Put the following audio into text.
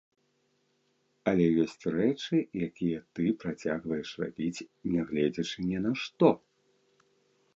Але ёсць рэчы, якія ты працягваеш рабіць, нягледзячы ні на што.